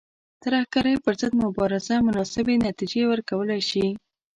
ترهګرۍ پر ضد مبارزه مناسبې نتیجې ورکولای شي.